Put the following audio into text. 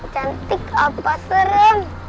cantik apa serem